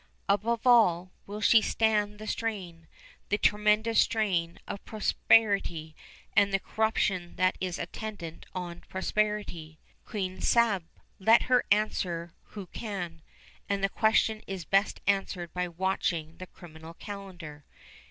Above all, will she stand the strain, the tremendous strain, of prosperity, and the corruption that is attendant on prosperity? Quien sabe? Let him answer who can; and the question is best answered by watching the criminal calendar.